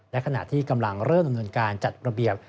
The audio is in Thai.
และขณะที่กำลังเริ่มดำเนินการจัดระเบียบ